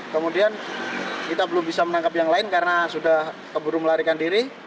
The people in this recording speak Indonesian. kemudian kita belum bisa menangkap yang lain karena sudah keburu melarikan diri